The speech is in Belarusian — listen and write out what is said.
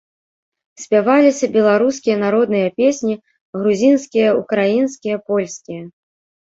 Спяваліся беларускія народныя песні, грузінскія, украінскія, польскія.